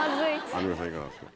アンミカさんいかがですか？